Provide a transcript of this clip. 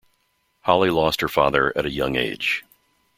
Holly lost her father at a young age.